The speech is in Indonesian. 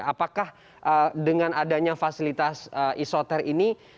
apakah dengan adanya fasilitas isoter ini